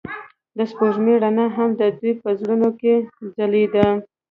د سپوږمۍ رڼا هم د دوی په زړونو کې ځلېده.